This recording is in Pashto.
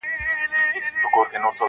سپين مخ مسلمان خو توري سترګي دي کافِري دي,